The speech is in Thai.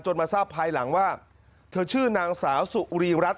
มาทราบภายหลังว่าเธอชื่อนางสาวสุรีรัฐ